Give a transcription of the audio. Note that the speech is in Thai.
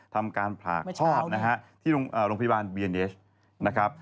ทำการผลาคอบนะฮะที่โรงพยาบาลบีเอ็นเดชน์นะครับ